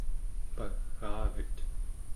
pagaavet